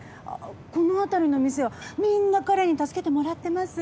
この辺りの店はみんな彼に助けてもらってます。